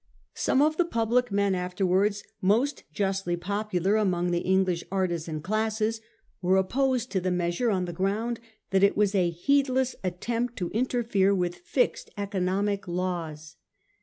Some of the public men afterwards most justly popular among the Eng lish artisan classes were opposed to the measure on the ground that it was a heedless attempt to interfere with fixed economic laws.